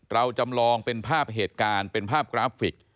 จำลองเป็นภาพเหตุการณ์เป็นภาพกราฟิก